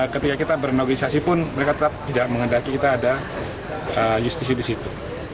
ketika kita bernogolisasi pun mereka tetap tidak mengendaki kita ada justisi di situ